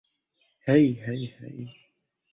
হেই, hey, হেই!